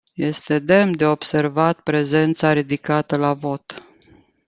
Este demn de observat prezența ridicată la vot.